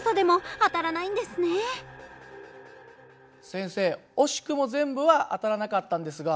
先生惜しくも全部は当たらなかったんですが。